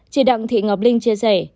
chị đặng thị ngọc linh chia sẻ